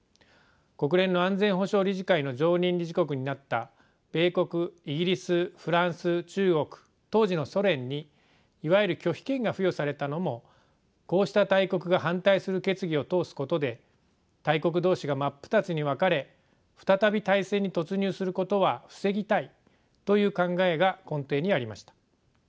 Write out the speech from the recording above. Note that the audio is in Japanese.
国連の安全保障理事会の常任理事国になった米国イギリスフランス中国当時のソ連にいわゆる拒否権が付与されたのもこうした大国が反対する決議を通すことで大国同士が真っ二つに分かれ再び大戦に突入することは防ぎたいという考えが根底にありました。